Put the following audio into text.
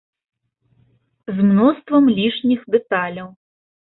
З мноствам лішніх дэталяў.